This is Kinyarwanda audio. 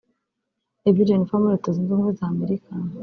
Ev Jennifer wo muri Leta Zunze Ubumwe za Amerika